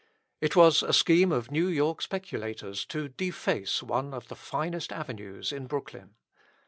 It was a scheme of New York speculators to deface one of the finest avenues in Brooklyn.